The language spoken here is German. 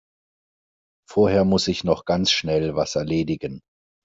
Vorher muss ich noch ganz schnell was erledigen.